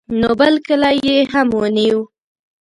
نو بل کلی یې هم ونیو.